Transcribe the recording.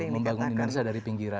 membangun indonesia dari pinggiran